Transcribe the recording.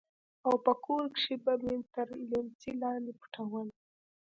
او په کور کښې به مې تر ليمڅي لاندې پټول.